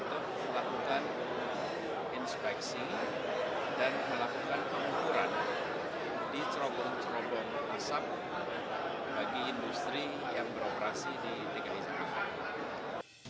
untuk melakukan inspeksi dan melakukan pengukuran di cerobong cerobong asap bagi industri yang beroperasi di dki jakarta